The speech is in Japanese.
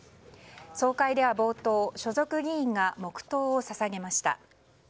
総会では冒頭所属議員が黙祷を捧げました。